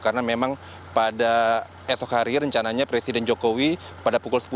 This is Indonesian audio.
karena memang pada esok hari rencananya presiden jokowi pada pukul sepuluh